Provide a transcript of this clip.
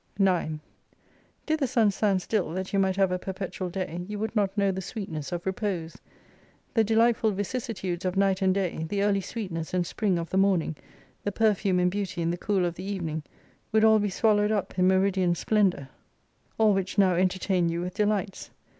9 Did the Sun stand still that you might have a perpetual day, you would not know the sweetness of repose : the delightful vicissitudes of night and day, the early sweetness and spring of the morning, the perfume and beauty in the cool of the evening, would all be swallowed up in meridian splendour : all which 8s I now entertain you witli delights.